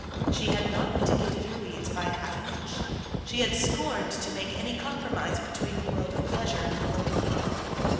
She had not mitigated her weeds by half an inch. She had scorned to make any compromise between the world of pleasure and the world of woe.